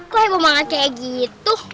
kok heboh banget kayak gitu